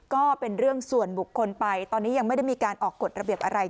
ก็เป็นเรื่องส่วนบุคคลไปตอนนี้ยังไม่ได้มีการออกกฎระเบียบอะไร